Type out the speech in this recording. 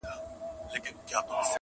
داسي شرط زموږ په نصیب دی رسېدلی-